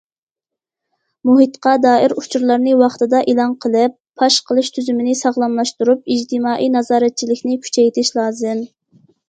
مۇھىتقا دائىر ئۇچۇرلارنى ۋاقتىدا ئېلان قىلىپ، پاش قىلىش تۈزۈمىنى ساغلاملاشتۇرۇپ، ئىجتىمائىي نازارەتچىلىكنى كۈچەيتىش لازىم.